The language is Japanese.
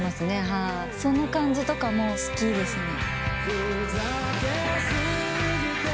その感じとかも好きですね。